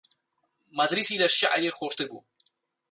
مەجلیسی لە شیعری خۆشتر بوو